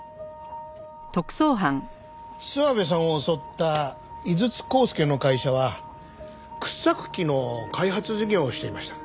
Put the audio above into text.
諏訪部さんを襲った井筒浩輔の会社は掘削機の開発事業をしていました。